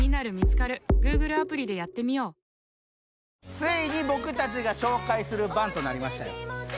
ついに僕たちが紹介する番となりましたよ